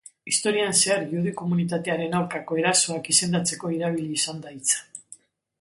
Historian zehar, judu-komunitatearen aurkako erasoak izendatzeko erabili izan da hitza.